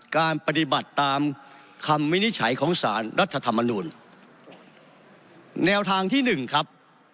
การปฏิบัติตามคำวินิจฉัยของสารรัฐธรรมนูลแนวทางที่หนึ่งครับ